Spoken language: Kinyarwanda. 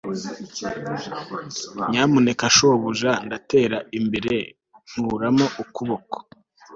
Nyamuneka shobuja ndatera imbere nkuramo ukuboko